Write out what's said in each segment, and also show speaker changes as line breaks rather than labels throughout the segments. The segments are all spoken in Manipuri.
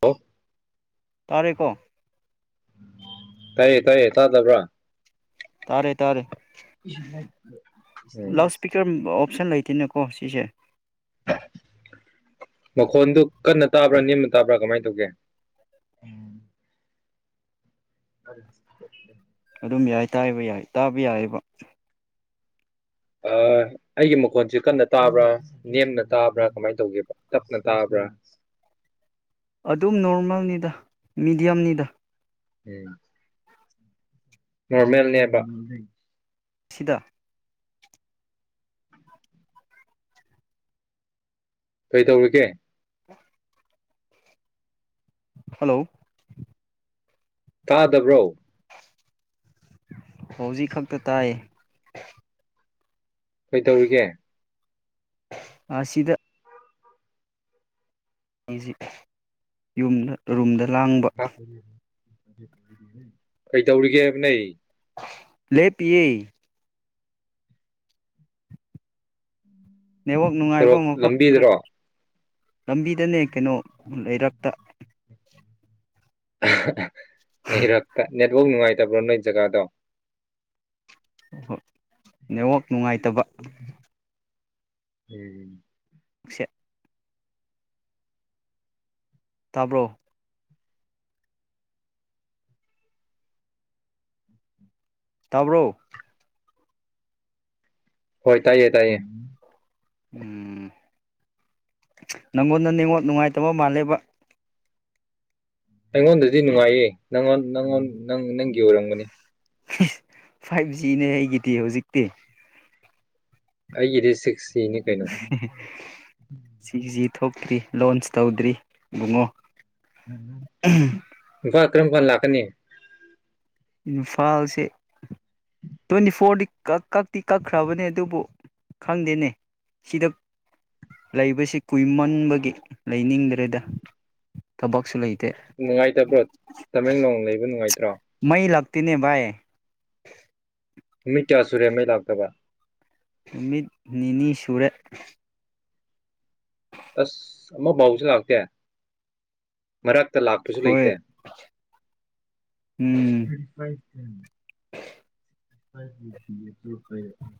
ꯍꯂꯣ
ꯇꯔꯦꯀꯣ
ꯇꯌꯦ ꯇꯥꯏꯌꯦ ꯇꯥꯗꯕ꯭ꯔꯥ
ꯇꯥꯔꯦ ꯇꯥꯔꯦ
ꯎꯝ
ꯂꯥꯎꯠ ꯏꯁꯄꯤꯀꯔ ꯑꯣꯞꯁꯟ ꯂꯩ ꯠꯇꯅꯦꯀꯣ ꯁꯤꯁꯦ
ꯃꯈꯣꯟꯗꯨ ꯀꯟꯅ ꯇꯥꯕ꯭ꯔꯥ ꯅꯦꯝꯅ ꯇꯥꯕ꯭ꯔꯥ ꯀꯃꯥꯏꯅ ꯇꯧꯒꯦ ꯎꯝ ꯑꯗꯨ
ꯑꯗꯨꯝ ꯌꯥꯏ ꯇꯥꯏꯕ ꯌꯥꯏ ꯇꯥꯕ ꯌꯥꯏꯑꯕ
ꯑꯩꯒꯤ ꯃꯈꯣꯟꯁꯦ ꯀꯟꯅ ꯇꯥꯕ꯭ꯔꯥ ꯅꯦꯝꯅ ꯇꯥꯕ꯭ꯔꯥ ꯀꯃꯥꯏꯅ ꯇꯧꯒꯦ ꯇꯞꯅ ꯇꯥꯕ꯭ꯔꯥ
ꯃꯤꯗꯤꯝꯅꯤꯗ
ꯎꯝ ꯅꯣꯔꯃꯦꯜꯅꯦꯕ
ꯑꯁꯤꯗ
ꯀꯩ ꯇꯧꯔꯤꯒꯦ
ꯍꯜꯂꯣ
ꯇꯥꯗꯕ꯭ꯔꯣ
ꯍꯧꯖꯤꯛ ꯈꯛꯇ ꯇꯥꯏ
ꯀꯩ ꯇꯧꯔꯤꯒꯦ
ꯑ ꯁꯤꯗ ꯌꯨꯝꯗꯨꯝꯗ
ꯍ ꯀꯩ ꯇꯧꯔꯤꯒꯦꯕ ꯅ
ꯂꯦꯞꯩ ꯅꯦꯠꯋꯥꯛ ꯅꯨꯡꯉꯥꯏꯕ
ꯁꯣꯔꯣꯛ
ꯃꯐꯝ ꯈꯔ
ꯂꯝꯕꯤꯗꯔꯣ
ꯂꯝꯕꯤꯗꯅꯦ ꯀꯩꯅꯣ ꯂꯩꯔꯛꯇ
[unintelligible] ꯑꯩ ꯔꯥꯛꯛꯇ ꯅ ꯏꯕꯣꯛ ꯅꯨꯡꯉꯥꯏꯇꯕ꯭ꯔꯣ ꯅꯣꯏ ꯖꯒꯥꯗꯣ
ꯎ ꯍꯣꯏ ꯅꯦꯠꯋꯥꯛ ꯅꯨꯡꯉꯥꯏꯇꯕ
ꯍꯝ
ꯁꯦ ꯇꯥꯕ꯭ꯔꯣ ꯇꯕ꯭ꯔꯣ
ꯍꯣꯏ ꯇꯥꯏꯌꯦ ꯇꯥꯏꯌꯦ
ꯎꯝ ꯅꯪꯉꯣꯟꯗ ꯉꯣꯟ ꯅꯨꯡꯉꯥꯏꯇꯕ ꯃꯥꯜꯂꯦꯕ
ꯑꯩꯉꯣꯟꯗꯗꯤ ꯅꯨꯡꯉꯥꯏꯌꯦ ꯅꯪꯉꯣꯟ ꯅꯪꯉꯣꯟ ꯅꯪ ꯅꯪꯒꯤ ꯑꯣꯏꯔꯝꯒꯅꯤ
ꯐꯥꯏꯚ ꯖꯤꯅꯦ ꯑꯩꯒꯤꯗꯤ ꯍꯧꯖꯤꯛꯇꯤ
ꯑꯩꯦꯗꯤꯦ ꯁꯤꯛꯁ ꯁꯤꯅꯤ ꯀꯩꯅꯣ
ꯁꯤꯁꯤ ꯊꯣꯛꯇ꯭ꯔꯤ ꯂꯣꯟꯁ ꯇꯧꯗ꯭ꯔꯤ ꯕꯨꯡꯉꯣ
ꯎ ꯀ ꯀ꯭ꯔꯝ ꯀ ꯂꯥꯛꯀꯅꯤ
ꯏꯝꯐꯥꯜꯁꯦ ꯇ꯭ꯋꯦꯟꯇꯤ ꯐꯣꯔꯗꯤ ꯀ ꯀꯛꯇꯤ ꯀꯛꯈ꯭ꯔꯕꯅꯦ ꯑꯗꯨꯕꯨ ꯈꯪꯗꯦꯅꯦ ꯁꯤꯗ ꯂꯩꯕꯁꯦ ꯀꯨꯏꯃꯟꯕꯒꯤ ꯂꯩꯅꯤꯡꯗ꯭ꯔꯦꯗ ꯊꯕꯛꯁꯨ ꯂꯩ
ꯅꯨꯡꯉꯥꯏꯇꯕ꯭ꯔꯣ ꯇꯃꯦꯡꯂꯣꯡ ꯂꯩꯕ ꯅꯨꯡꯉꯥꯏꯇ꯭ꯔꯣ
ꯑ ꯂꯥꯛꯅꯦ ꯥꯏ
ꯅꯨꯃꯤꯠ ꯀꯌꯥ ꯁꯨꯔꯦ ꯃꯩ ꯂꯥꯛꯇꯕ
ꯅꯨꯃꯤꯠ ꯅꯤꯅꯤ ꯁꯨꯔꯦ
ꯑꯁ ꯑꯃ ꯐꯥꯎꯁꯨ ꯂꯥꯛꯇꯦ ꯃꯔꯛꯇ ꯂꯥꯛꯄꯁꯨ
ꯍꯣꯏ
ꯂꯩꯇꯦ
ꯎꯝ
ꯎꯝ ꯍꯥꯏ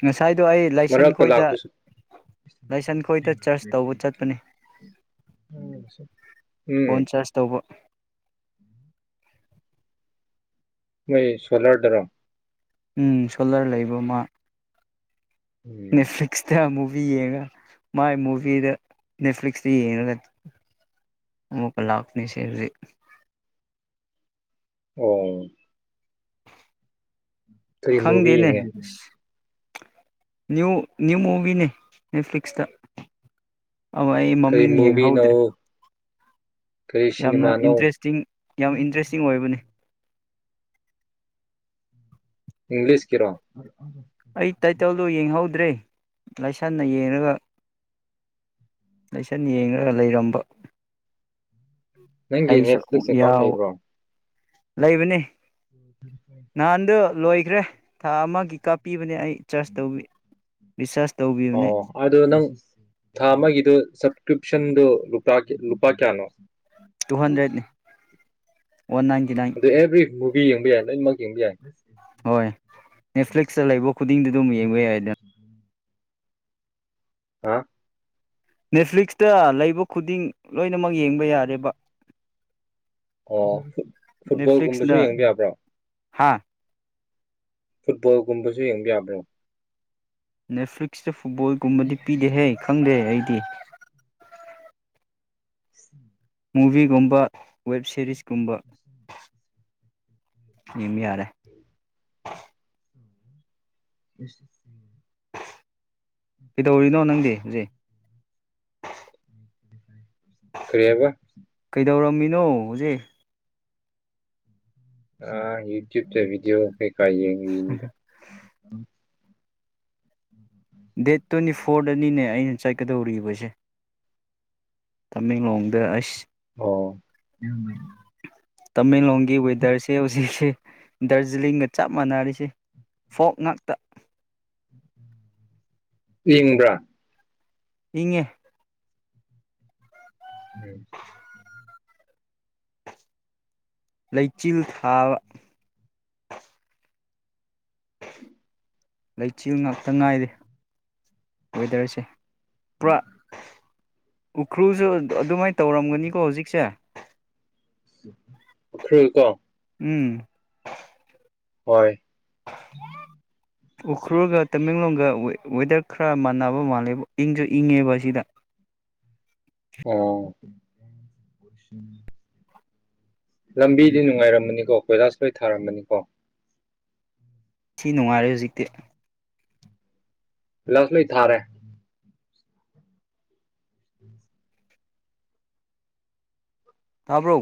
ꯉꯁꯥꯏꯗꯣ ꯑꯩ ꯂꯥꯏꯁꯟ ꯈꯣꯏꯗ ꯂꯥꯏꯁꯪ ꯈꯣꯏꯗ ꯆꯔꯆ ꯇꯧꯕ ꯆꯠꯄꯅꯦ ꯐꯣꯟ ꯆꯔꯆ ꯇꯧꯕ
ꯎꯝ ꯃꯣꯏ ꯁꯣꯂꯔꯗꯔꯣ
ꯎꯝ ꯁꯣꯂꯔ ꯂꯩꯕ ꯑꯃ
ꯎꯝ
ꯅꯦꯠꯐ꯭ꯂꯛꯁ ꯊ ꯃꯨꯚ ꯨꯚꯤ ꯌꯦꯡꯉꯒ ꯃꯥꯏ ꯃꯨꯚꯤꯗ ꯅꯦꯠꯐ꯭ꯂꯤꯛꯁꯇ ꯌꯦꯡꯉꯒ ꯑꯃꯨꯛꯀ ꯂꯥꯛꯀꯅꯦ ꯁꯤ ꯍꯧꯗꯤ
ꯑꯣꯝ ꯐꯔꯤ ꯃꯨꯕꯤ
ꯈꯪꯗꯦꯅꯦ
ꯌꯦꯉ
ꯅ꯭ꯌꯨ ꯃꯨꯕꯤꯅꯦ ꯅꯦꯠꯐꯂꯤꯛꯁꯗ ꯑ ꯑꯩ ꯃꯃꯤ
ꯀꯔꯤ
ꯌꯦꯡ
ꯃꯨꯚꯤꯅꯣ
ꯍꯧꯗ꯭ꯔꯔꯤ
ꯀꯔꯤ
ꯌꯥꯝꯅ
ꯁꯤꯅꯦꯃꯥꯅꯣ
ꯏꯟꯇꯔꯦꯁꯇꯤꯡ ꯌꯥꯝ ꯏꯟꯇꯔꯦꯁꯇꯤꯡ ꯑꯣꯏꯕꯅꯤ
ꯏꯪꯂꯤꯁ ꯀꯔꯣ
ꯑꯩ ꯇꯥꯏꯇꯜꯗꯨꯣ ꯌꯦꯡꯍꯧꯗ꯭ꯔꯦ ꯂꯥꯏꯁꯟꯅ ꯌꯦꯡꯉꯒ ꯂꯥꯏꯁꯟꯅ ꯌꯦꯡꯉꯒ ꯂꯩꯔꯝꯕ
ꯅꯪ ꯅꯦꯠ ꯐꯤꯂꯤꯛꯁ ꯑꯦꯀꯥꯎꯟ ꯂꯩꯕ꯭ꯔꯣ
ꯂꯩꯕꯅꯤ
ꯍ ꯑꯗꯨꯔ ꯐꯥꯏ
ꯂꯣꯏꯈ꯭ꯔꯦ ꯊꯥ ꯑꯃꯒꯤ ꯀꯥꯞꯄꯤꯕꯅꯦ ꯑꯩ ꯆꯥꯔꯖ ꯇꯧꯕꯤ ꯔꯤꯁꯁ
ꯑꯣ ꯑꯗꯣ ꯅꯪ ꯊꯥ ꯑꯃꯒꯤꯗꯨ ꯀ꯭ꯔꯤꯞꯁꯟꯗꯨ ꯂꯨ ꯂꯨꯄꯥ ꯀꯌꯥꯅꯣ
ꯇꯨ ꯍꯟꯗ꯭ꯔꯦꯠꯅꯤ ꯋꯥꯟ ꯅꯥꯏꯟꯇꯤ ꯅꯥꯏꯟ
ꯑꯗꯨ ꯑꯦꯚ꯭ꯔꯤ ꯃꯨꯚꯤ ꯌꯦꯡꯕ ꯌꯥꯏ ꯂꯣꯏꯅꯃꯛ ꯌꯦꯡꯕ ꯌꯥꯏ
ꯍꯣꯏ ꯅꯦꯠꯐ꯭ꯂꯤꯛꯁꯇ ꯂꯩꯕ ꯈꯨꯗꯤꯡꯗꯤ ꯑꯗꯨꯝ ꯌꯦꯡꯕ ꯌꯥꯏꯗꯅ
ꯍꯥ
ꯅꯦꯠꯐ꯭ꯂꯤꯛꯁꯇ ꯂꯩꯕ ꯈꯨꯗꯤꯡ ꯂꯣꯏꯅꯃꯛ ꯌꯦꯡꯕ ꯌꯥꯔꯦꯕ
ꯑꯣ ꯐꯨꯠꯕꯣꯜꯒꯨꯝꯕꯁꯨ ꯌꯦꯡꯕ ꯌꯥꯕ꯭ꯔꯣ
ꯍꯥꯥ
ꯐꯨꯠꯕꯣꯜꯒꯨꯝꯕꯁꯨ ꯌꯦꯡꯕ ꯌꯥꯕ꯭ꯔꯣ
ꯅꯦꯠꯐ꯭ꯂꯤꯛꯁ ꯐ ꯐꯨꯠꯕꯣꯜꯒꯨꯝꯕꯗꯤ ꯄꯤꯗꯦꯍꯩ ꯈꯪꯗꯦ ꯑꯩ [inaudible]
ꯎꯝ
ꯃꯨꯚꯤꯒꯨꯝꯕ ꯋꯦꯕ ꯁꯦꯔꯤꯁꯀꯨꯝꯕ ꯌꯦꯡꯕ ꯌꯥꯔꯦ
ꯁ
ꯀꯩꯗꯧꯔꯤꯅꯣ ꯅꯪꯗꯤ ꯍꯧꯖꯤꯛ
ꯀꯔꯤ ꯍꯥꯏꯕ
ꯗꯧꯔꯝꯃꯤꯅꯣ ꯍꯧꯖꯤꯛ
ꯑ ꯌꯨꯇꯨꯞꯇ ꯕꯤꯗꯤꯑꯣ ꯀꯩ ꯈ ꯌꯦꯡꯉꯤꯅꯤꯗ
ꯗꯦꯠ ꯇ꯭ꯋꯦꯟꯇꯤ ꯐꯣꯔꯗꯅꯤꯅꯦ ꯑꯩꯅ ꯆꯠꯀꯗꯧꯔꯤꯕꯁꯦ ꯇꯥꯃꯦꯡꯂꯣꯡꯗ ꯑꯁ
ꯑꯣ
ꯇꯥꯃꯦꯡꯂꯣꯡꯒꯤ ꯋꯦꯗꯔꯁ ꯍꯧꯖꯤꯛꯁꯂ ꯗꯥꯔꯖꯤꯂꯤꯡꯒ ꯆꯞ ꯃꯥꯟꯅꯔꯤꯁꯤ ꯐꯣꯛ ꯉꯥꯛꯇ
ꯏꯪꯕ꯭ꯔꯥ
ꯏꯪꯉꯦ
ꯎꯝ
ꯂꯩꯆꯤꯜ ꯊꯥꯕ ꯂꯩꯆꯤꯜ ꯉꯥꯛꯇ ꯉꯥꯏꯔꯦ ꯋꯦꯗꯔꯁꯦ ꯄꯨꯔꯥ ꯎꯈ꯭ꯔꯨꯜꯁꯨ ꯑꯗꯨꯃꯥꯏꯅ ꯇꯧꯔꯝꯒꯅꯤꯀꯣ ꯍꯧꯖꯤꯛꯁꯦ
ꯎꯈ꯭ꯔꯨꯜ ꯀꯣ
ꯎꯝ
ꯍꯣꯏ
[inaudible] ꯎꯈ꯭ꯔꯨꯜꯒ ꯇꯃꯦꯡꯂꯣꯡꯒ ꯋꯦꯗꯔ ꯈꯔ ꯃꯥꯟꯅꯕ ꯃꯥꯜꯂꯦ ꯏꯪꯁꯨ ꯏꯪꯉꯦꯕ ꯑꯁꯤꯗ
ꯑ ꯂꯝꯕꯤꯗꯤ ꯅꯨꯡꯉꯥꯏꯔꯝꯃꯅꯤꯀꯣ ꯀꯣꯏꯂꯥꯁ ꯂꯣꯏ ꯊꯥꯔꯃꯅꯤꯀꯣ
ꯁꯤ ꯅꯨꯡꯉꯥꯏꯔꯦ ꯍꯧꯖꯤꯛꯇꯤ
ꯂꯖꯃꯤ ꯏ ꯊꯥꯔꯦ
ꯇꯥꯕ꯭ꯔꯣ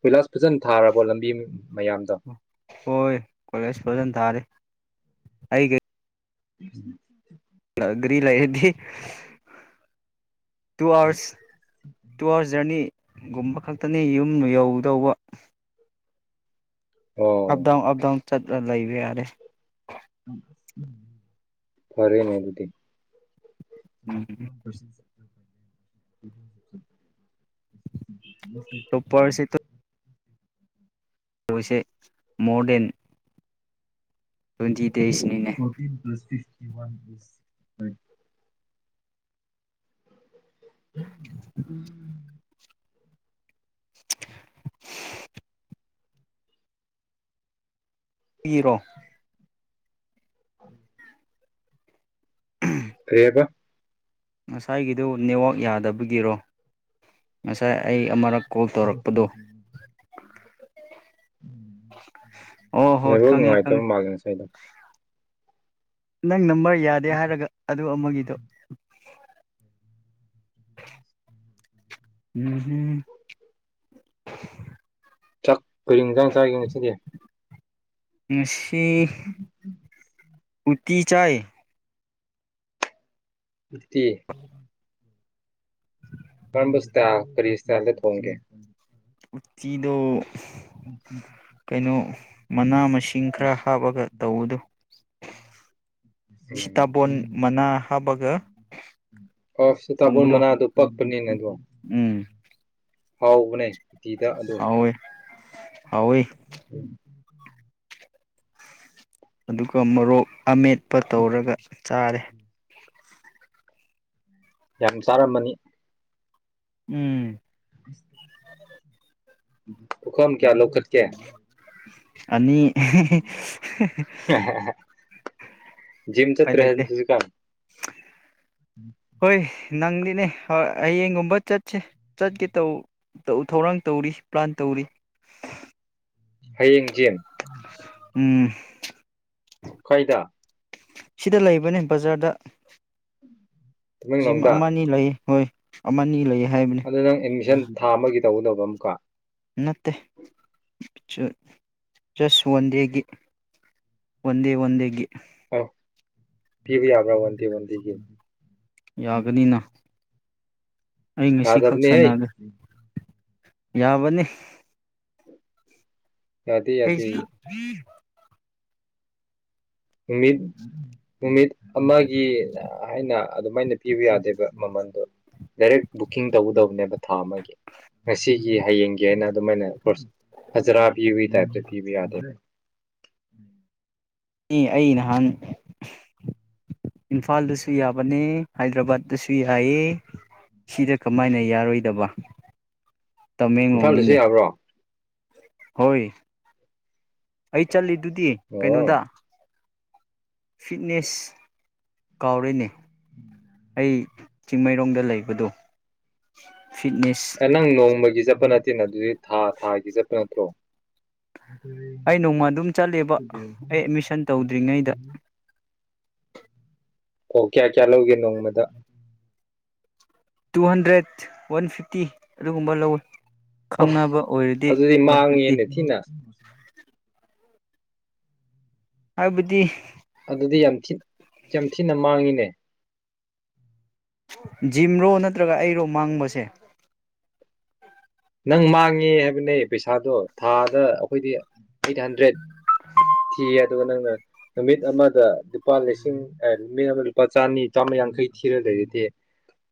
ꯄꯤꯂꯥꯁ ꯐꯖꯅ ꯊꯥꯔꯕꯣ ꯂꯝꯕꯤ ꯃꯌꯥꯝꯗ
ꯍꯣꯏ ꯀꯣꯂꯦꯖ ꯐꯖꯅ ꯊꯥꯔꯤꯦ ꯑꯩ
ꯎꯝ
ꯂꯒꯔꯤ ꯂꯩꯗꯤ ꯇꯨ ꯑꯥꯋꯥꯔꯁ ꯇꯨ ꯑꯥꯋꯥꯔꯁ ꯖꯔꯅꯤ ꯒꯨꯝꯕ ꯈꯛꯇꯅꯤ ꯌꯨꯝ ꯌꯧꯗꯧꯕ
ꯑꯣ
ꯑꯞꯗꯥꯎ ꯑꯞꯗꯥꯎ ꯆꯠꯂ ꯂꯩꯕ ꯌꯥꯔꯦ
ꯐꯔꯦꯅꯦ ꯑꯗꯨꯗꯤ
ꯎꯝ
ꯎ
ꯆꯣꯞꯄꯔꯁꯦ
ꯎ
ꯃꯣꯏꯁꯦ ꯃꯣꯗꯦꯟ ꯇ꯭ꯋꯦꯟꯇꯤ ꯗꯦꯖꯅꯤꯅꯦ
ꯏꯣꯏ ꯎꯝ
[unintelligible] ꯔꯣ
ꯎ ꯍꯥꯏꯕ
ꯉꯁꯥꯏꯒꯤꯗꯨ ꯅꯦꯠꯋꯥꯛ ꯌꯥꯗꯕꯒꯤꯔꯣ ꯉꯁꯥꯏ ꯑꯩ ꯑꯃꯨꯔꯛ ꯀꯣꯜ ꯇꯧꯔꯛꯄꯗꯣ ꯑꯣ ꯍꯣꯏ
ꯅꯕꯨꯥꯎ
ꯈꯪꯉꯦ ꯈꯪꯉꯦ
ꯅꯨꯡꯉꯥꯏꯇꯕ ꯃꯥꯜꯂꯦ ꯉꯁꯥꯏꯗ
ꯅꯪ ꯅꯝꯕꯥꯏ ꯌꯥꯗꯦ ꯍꯥꯏꯔꯒ ꯑꯗꯨ ꯑꯃꯒꯤꯗꯣ ꯎꯝ ꯎꯝ
ꯊꯥꯛ ꯀꯔꯤ ꯅꯨꯡꯖꯥꯡ ꯆꯥꯒꯦ ꯉꯁꯤꯗꯤ
ꯑ ꯁꯤ ꯎꯇꯤ ꯆꯥꯏ
ꯠꯇ ꯐꯔꯕꯨꯁꯇꯥ ꯄꯔꯤꯁꯇꯂ ꯍꯣꯡꯒꯦ
ꯀꯆꯤꯗ
ꯎ
ꯀꯩꯅꯣ ꯃꯅꯥ ꯃꯁꯤꯡ ꯏꯁꯤꯡ ꯈꯔ ꯍꯥꯞꯄꯒ ꯇꯧꯕꯗꯨ ꯃꯅꯥ ꯍꯥꯞꯄꯒ
ꯐꯕꯨ
ꯊꯣꯡꯕꯗꯣ
ꯃꯅꯥ ꯑꯗꯨ ꯄꯛꯄꯅꯤ ꯅ ꯑꯗꯨ
ꯎꯝ
ꯍꯥꯎ ꯃꯅꯦ ꯎꯇꯤꯗ ꯑꯗꯣ
ꯍꯥꯎꯋꯦ ꯍꯥꯎꯋꯤ
ꯎ ꯎ
ꯑꯗꯨꯒ ꯃꯣꯔꯣꯛ ꯑꯃꯠ ꯆꯠꯄ ꯇꯧꯔꯒ ꯆꯔ
ꯌꯥꯝ ꯆꯥꯔꯝꯃꯅꯤ
ꯎꯝ
ꯑꯁ ꯄꯨꯈꯝ ꯀꯌꯥ ꯂꯧꯈꯠꯀꯦ
[inaudible] ꯑ
ꯖꯤꯝ ꯆ ꯇ꯭ꯍꯁꯨ ꯀꯝ
[inaudible]
ꯎꯝ
ꯍꯣꯏ ꯅꯪꯗꯤꯅꯦ ꯍꯌꯦꯡꯒꯨꯝꯕ ꯆꯠꯁꯦ ꯆꯠꯀꯦ ꯇ ꯊꯧꯔꯥꯡ ꯇꯧꯔꯤ ꯄ꯭ꯂꯥꯟ ꯇꯧꯔꯤ
ꯍꯌꯦꯡ ꯆꯟ
ꯎꯝ
ꯈꯣꯏꯗ
ꯁꯤꯗ ꯂꯩꯕꯅꯦ ꯕꯖꯥꯔꯗ ꯖꯤꯝ
ꯇꯃꯦꯡꯂꯣꯡꯗ
ꯑꯃꯅꯤ ꯂꯩ ꯍꯣꯏ ꯑꯃꯅꯤ ꯂꯩꯌꯦ
ꯑꯗꯨ ꯅꯪ ꯑꯦꯗꯃꯤꯁꯟ ꯊꯥ ꯑꯃꯒꯤ ꯇꯧꯗꯕ ꯑꯃ ꯀ
ꯃ ꯆꯁ ꯋꯥꯗꯦꯒꯤ ꯑꯣꯗꯦ ꯋꯥꯟꯦꯒꯤ
ꯑ ꯄꯕꯤ ꯌꯥꯝ꯭ꯔ ꯋꯥꯟꯗꯤ ꯟꯗꯤꯒꯤ
ꯌꯥꯒꯅꯤꯅ ꯑꯩ ꯉꯁꯤ ꯈꯛ
ꯌꯥꯗꯕꯅꯦ ꯍꯥꯏ
ꯁꯥꯟꯅꯒꯦ ꯌꯥꯕꯅꯤ
ꯌꯥꯗꯦ ꯌꯥꯗꯦ
ꯑꯩ
ꯎꯃꯤꯠ ꯎꯃꯤꯠ ꯑꯃꯒꯤ ꯍꯥꯏꯅ ꯑꯗꯨꯃꯥꯏꯅ ꯄꯤꯕ ꯌꯥꯗꯦꯕ ꯃꯃꯟꯗꯣ ꯗꯥꯏꯔꯦꯛ ꯕꯨꯛꯀꯤꯡ ꯇꯧꯒꯗꯕꯅꯦꯕ ꯊꯥ ꯑꯃꯒꯤ ꯉꯁꯤꯒꯤ ꯍꯌꯦꯡꯒꯤ ꯍꯥꯏꯅ ꯑꯗꯨꯃꯥꯏꯅ ꯍꯖꯔꯥꯕꯤ ꯍꯏ ꯊ ꯄꯤꯕꯤ ꯌꯥꯗꯦ ꯎꯝ
ꯑꯦ ꯑꯩ ꯅꯍꯥꯟ ꯏꯝꯐꯥꯜꯗꯁꯨ ꯌꯥꯕꯅꯦ ꯍꯥꯏꯗ꯭ꯔꯕꯥꯠꯇꯁꯨ ꯌꯥꯏꯑ ꯁꯤꯗ ꯀꯃꯥꯏꯅ ꯌꯥꯔꯣꯏꯗꯕ
ꯏꯝꯐꯥꯜꯗꯁꯨ
ꯇꯃꯦꯡꯂꯣꯡꯅꯤꯅꯦ
ꯌꯥꯕ꯭ꯔꯣ
ꯍꯣꯏ ꯑꯩ ꯆꯜ ꯑꯗꯨꯗꯤ
ꯑꯣ
ꯀꯩꯅꯣꯗ ꯐꯤꯠꯅꯦꯁ ꯀꯥꯎꯔꯤꯅꯦ ꯑꯩ ꯆꯤꯡꯃꯩꯔꯣꯡꯗ ꯂꯩꯕꯗꯣ ꯐꯤꯠꯅꯦꯁ
ꯅꯪ ꯅꯣꯡꯃꯒꯤ ꯆꯕ ꯅꯦ ꯅ ꯑꯗꯨ ꯊꯥ ꯊꯥꯒꯤ ꯆꯠꯄ ꯅꯠꯇ꯭ꯔꯣꯑꯣ
ꯑꯩ ꯅꯣꯡꯃ ꯑꯗꯨꯝ ꯆꯠꯂꯦꯕ ꯑꯩ ꯑꯦꯠꯃꯤꯁꯟ ꯇꯧꯗ꯭ꯔꯤꯉꯩꯗ
ꯑꯣ ꯀꯌꯥ ꯀꯌꯥ ꯂꯧꯒꯦ ꯅꯣꯡꯃꯗ
ꯇꯨ ꯍꯟꯗ꯭ꯔꯦꯠ ꯋꯥꯟ ꯐꯤꯐꯇꯤ ꯑꯗꯨꯒꯨꯝꯕ ꯂꯧꯋꯤ
ꯑꯗꯨꯗꯤ ꯃꯥꯡꯉꯦꯅꯦ ꯊꯤꯅ
ꯍꯥꯏꯕꯗꯤ
ꯑꯗꯨꯗꯤ ꯌꯥꯝꯤ ꯌꯥꯝ ꯊꯤꯅ ꯃꯥꯡꯉꯤꯅꯦ
ꯖꯤꯝꯔꯣ ꯅꯠꯇ꯭ꯔꯒ ꯑꯩꯔꯣ ꯃꯥꯡꯕꯁꯦ
ꯅꯪ ꯃꯥꯡꯉꯦ ꯍꯥꯏꯕꯅꯦ ꯄꯩꯁꯥꯗꯣ ꯊꯥꯗ ꯑꯩꯈꯣꯏꯗꯤ ꯑꯩꯠ ꯍꯟꯗ꯭ꯔꯦꯗ ꯊꯤꯌꯦ ꯑꯗꯨꯒ ꯅꯪꯅ ꯅꯨꯃꯤꯠ ꯑꯃꯗ ꯂꯨꯄꯥ ꯂꯤꯁꯤꯡ ꯅꯨꯃꯤꯠ ꯑꯃꯗ ꯂꯨꯄꯥ ꯆꯅꯤ ꯆꯥꯝꯃ ꯌꯥꯡꯈꯩ ꯊꯤꯔ ꯂꯩꯔꯗꯦ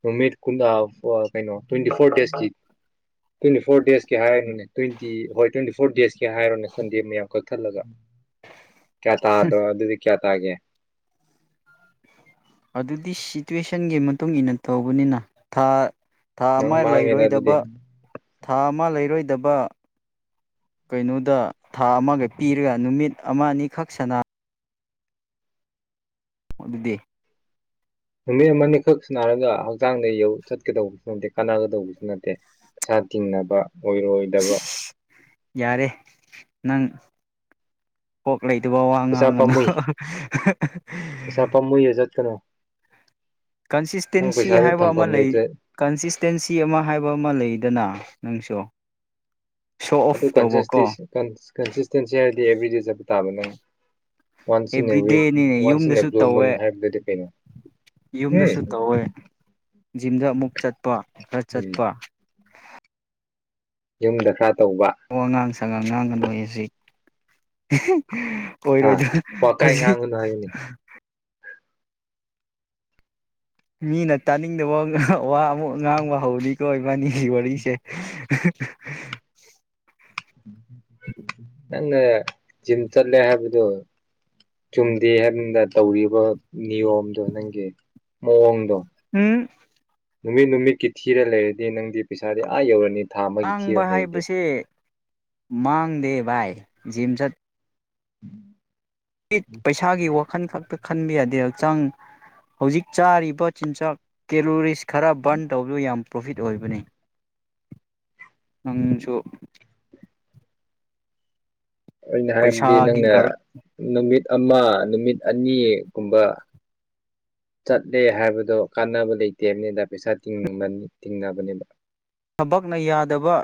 ꯅꯨꯃꯤꯠꯨ ꯀꯩꯅꯣ ꯇ꯭ꯋꯦꯟꯇꯤ ꯐꯣꯔ ꯗꯦꯖꯀꯤ ꯇ꯭ꯋꯦꯟꯇꯤ ꯐꯣꯔ ꯗꯦꯖꯀꯤ ꯍꯥꯏꯔꯅꯣꯅꯦ ꯇ꯭ꯋꯦꯟꯇꯤ ꯍꯣꯏ ꯇ꯭ꯋꯦꯟꯇꯤ ꯐꯣꯔ ꯗꯦꯁꯀꯤ ꯍꯥꯏꯔꯣꯅꯦ ꯁꯟꯗꯦ ꯃꯌꯥꯝ ꯀꯛꯊꯠꯂꯒ ꯀꯌꯥ ꯇꯥꯗꯣ ꯑꯗꯨꯗꯤ ꯀꯌꯥ ꯀꯒꯦ
ꯏꯦꯛꯁꯟꯒꯤ ꯃꯇꯨꯡ ꯏꯟꯅ ꯇꯧꯕꯅꯤꯅ ꯊꯥ ꯊꯥ ꯑꯃ
ꯅꯪ ꯃꯥꯡꯉꯦꯗ
ꯂꯩꯔꯣꯏꯗꯕ
ꯑꯗꯨꯗꯤ
ꯊꯥ ꯑꯃ ꯑꯃ ꯂꯩꯔꯣꯏꯗꯕ ꯀꯩꯅꯣꯗ ꯊꯥ ꯑꯃꯒ ꯄꯤꯔꯒ ꯅꯨꯃꯤꯠ ꯑꯃ ꯑꯅꯤꯈꯛ ꯁꯅ ꯑꯗꯨꯗꯤ
ꯅꯨꯃꯤꯠ ꯑꯃꯅꯤꯅꯤꯈꯛ ꯁꯅꯔꯒ ꯍꯛꯆꯥꯡꯗ ꯌꯧ ꯆꯠꯀꯗꯧꯕꯁꯨ ꯅꯠꯇꯦ ꯀꯥꯟꯅꯒꯗꯧꯕꯁꯨ ꯅꯠꯇꯦ ꯄꯩꯁꯥ ꯇꯤꯡꯅꯕ ꯑꯣꯏꯔꯣꯏꯗꯕ
ꯌꯥꯔꯦ ꯅꯪ ꯀꯣꯛ ꯂꯩꯇꯕ ꯋꯥ
ꯄꯩꯁꯥ
ꯉꯥꯡꯉꯅ
ꯄꯥꯝꯃꯨꯏ ꯄꯩꯁꯥ ꯄꯥꯝꯃꯨꯏꯗ ꯆꯠꯀꯅꯨ ꯅꯪ
ꯀꯟꯁꯤꯁꯇꯦꯟꯁꯤ
ꯄꯩꯁꯥꯗꯨ
ꯍꯥꯏꯕ ꯑꯃ
ꯊꯝꯐꯝ
ꯂꯩ
ꯂꯩꯇ꯭ꯔꯦ
ꯀꯟꯁꯤꯁꯇꯦꯟꯁꯤ ꯑꯃ ꯍꯥꯏꯕ ꯑꯃ ꯂꯩꯗꯅ ꯅꯪꯁꯨꯣ
ꯑꯗꯨ ꯀꯟꯁꯤꯁꯇꯦꯟꯁꯤ ꯍꯥꯏ ꯑꯦꯕꯔꯤꯦꯖ ꯇꯥꯕ ꯅꯪ ꯋꯥꯟꯁ ꯏꯟ ꯑꯦꯋꯤ
ꯑꯦꯕ꯭ꯔꯤꯗꯦꯅꯤꯅꯦ
ꯋꯥꯟꯁ ꯏꯟ ꯑꯦ
ꯌꯨꯝꯗꯁꯨ
ꯕ꯭ꯂꯨ ꯃꯨꯟ
ꯇꯧꯋꯦ
ꯍꯥꯏꯕꯗꯨꯗꯤ ꯀꯩꯅꯣ ꯎ
ꯌꯨꯝꯗꯁꯨ ꯇꯧꯋꯦ ꯖꯤꯝꯗ ꯑꯃꯨꯛ ꯆꯠꯄ ꯈꯔ ꯆꯠꯄ
ꯌꯨꯝ ꯔꯥ
ꯑ ꯑꯉꯥꯡ ꯁꯉ ꯉꯥꯡꯒꯗꯣꯏ ꯍꯧꯖꯤꯛ [inaudible]
ꯍꯥ
ꯑꯣꯏꯔꯣꯏꯗ
ꯋꯥꯀꯥꯏ
ꯍꯧꯖꯤꯛ
ꯉꯥꯡꯒꯅꯨ ꯍꯥꯏꯌꯨꯅꯦ
ꯃꯤꯅ ꯇꯥꯅꯤꯡꯗꯕ ꯋꯥ ꯑꯃꯨꯛ ꯉꯥꯡꯕ ꯍꯧꯅꯤꯀꯣ ꯏꯕꯥꯅꯤꯒꯤ ꯋꯥꯔꯤꯁꯦ
ꯅꯪꯅ ꯖꯤꯝ ꯆꯠꯂꯦ ꯍꯥꯏꯕꯗꯣ ꯆꯨꯝꯗꯦ ꯍꯥꯏꯕꯅꯤꯗ ꯇꯧꯔꯤꯕ ꯅꯤꯌꯣꯝꯗꯣ ꯅꯪꯒꯤ ꯃꯑꯣꯡꯗꯣ
ꯎꯝ
ꯅꯨꯃꯤꯠ ꯅꯨꯃꯤꯠꯀꯤ ꯊꯤꯔ ꯂꯩꯔꯗꯤ ꯅꯪꯗꯤ ꯄꯩꯁꯥꯗꯤ ꯑꯥ ꯌꯧꯔꯅꯤ ꯊꯥ ꯑꯃꯒꯤ ꯊꯤꯔ
ꯃꯥꯡꯕ
ꯂꯩꯔꯗꯤ
ꯍꯥꯏꯕꯁꯦ ꯃꯥꯡꯗꯦ ꯚꯥꯏ ꯖꯤꯝꯆꯠ
ꯎꯝ
ꯠ ꯄꯩꯁꯥꯒꯤ ꯋꯥ ꯃꯈꯟ ꯈꯛꯇ ꯈꯟꯕ ꯌꯥꯗꯦ ꯍꯛꯆꯥꯡ ꯍꯧꯖꯤꯛ ꯆꯥꯔꯤꯕ ꯆꯤꯟꯖꯥꯛ ꯀꯦꯂꯣꯔꯤꯁ ꯈꯔ ꯕꯟ ꯇꯧꯕꯤꯌꯨ ꯌꯥꯝ ꯄ꯭ꯔꯣꯐꯤꯠ ꯑꯣꯏꯕꯅꯤ ꯅꯪꯁꯨ
ꯑꯩꯅ ꯍꯥꯏꯕꯗꯤ
ꯄꯩꯁꯥꯒꯤ
ꯅꯪꯅ
ꯀꯔꯛ
ꯅꯨꯃꯤꯠ ꯑ ꯅꯨꯃꯤꯠ ꯑꯅꯤꯒꯨꯝꯕ ꯆꯠꯂꯦ ꯍꯥꯏꯕꯗꯣ ꯀꯥꯟꯅꯕ ꯂꯩꯇꯦꯕꯅꯤꯗ ꯄꯩꯁꯥ ꯇꯤꯡꯅꯕꯅꯦꯕ
ꯊꯕꯛꯅ ꯌꯥꯗꯕ